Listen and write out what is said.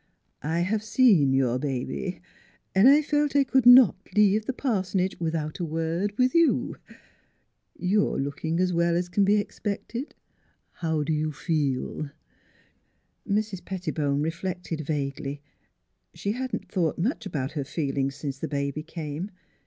I have seen your ba by an' I felt I could not leave the pars'nage without a word with you. ... You are lookin' as well 's c'n be expected. How do you feel? " Mrs. Pettibone reflected vaguely. She had not thought much about her feelings since the baby came.